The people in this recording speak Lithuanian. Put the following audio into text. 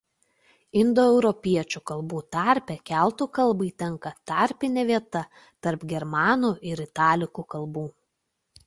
Indoeuropiečių kalbų tarpe keltų kalbai tenka tarpinė vieta tarp germanų ir italikų kalbų.